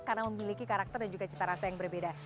karena memiliki karakter dan cita rasa yang berbeda